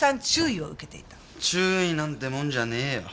注意なんてもんじゃねえよ。